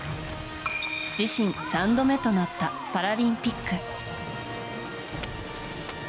自身３度目となったパラリンピック。